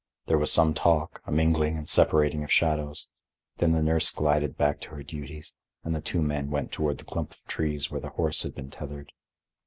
There was some talk, a mingling and separating of shadows; then the nurse glided back to her duties and the two men went toward the clump of trees where the horse had been tethered.